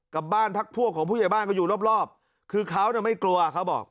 กับบ้านพักพวกของผู้ใหญ่บ้านก็อยู่รอบรอบคือเขาไม่กลัวเขาบอก